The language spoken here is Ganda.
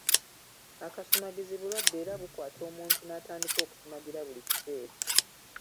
Akasumagizi bulwadde era bukwata omuntu n'atandika okusumagira buli kiseera.